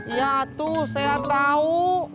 ya tuh saya tau